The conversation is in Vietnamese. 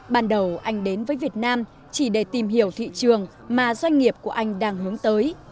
ban đầu anh đến với việt nam chỉ để tìm hiểu thị trường mà doanh nghiệp của anh đang hướng tới